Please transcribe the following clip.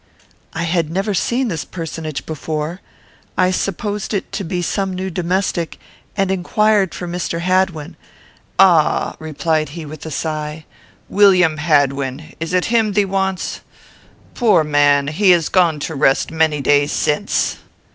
I had never seen this personage before. I supposed it to be some new domestic, and inquired for Mr. Hadwin. "Ah!" replied he, with a sigh, "William Hadwin. Is it him thee wants? Poor man! He is gone to rest many days since."